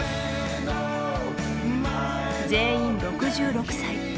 全員６６歳。